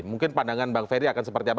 mungkin pandangan bang ferry akan seperti apa